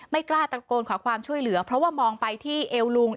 ไม่กล้าตะโกนขอความช่วยเหลือเพราะว่ามองไปที่เอวลุง